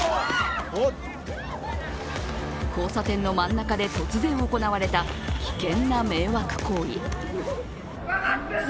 交差点の真ん中で突然行われた危険な迷惑行為。